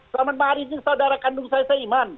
selama ini saudara kandung saya seiman